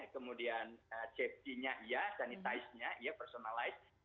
kemudian safety nya ya sanitize nya ya personalized